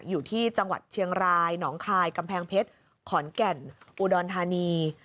อยู่ที่จังหวัดเชียงรายหนองคายกำแพงเพชรขอนแก่นอุดรธานี